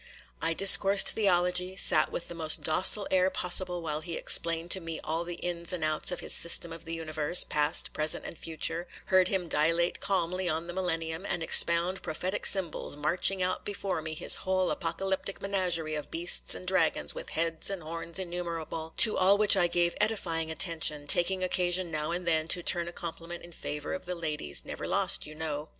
I discoursed theology,—sat with the most docile air possible while he explained to me all the ins and outs in his system of the universe, past, present, and future,—heard him dilate calmly on the Millennium, and expound prophetic symbols, marching out before me his whole apocalyptic menagerie of beasts and dragons with heads and horns innumerable, to all which I gave edifying attention, taking occasion now and then to turn a compliment in favour of the ladies,—never lost, you know.